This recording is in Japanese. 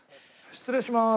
失礼します。